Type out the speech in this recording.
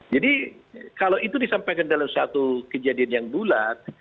jadi kalau itu disampaikan dalam satu kejadian yang bulat